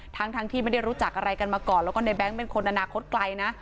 ทั้งที่ไม่ได้รู้จักอะไรกันมาก่อนแล้วก็ในแง๊งเป็นคนอนาคตไกลนะ